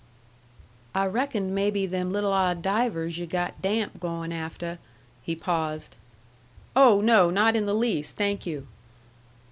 "I reckoned maybe them little odd divers yu' got damp goin' afteh " He paused. "Oh, no, not in the least, thank you."